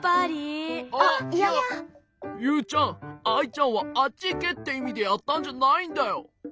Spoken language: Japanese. ユウちゃんアイちゃんはあっちいけっていみでやったんじゃないんだよ。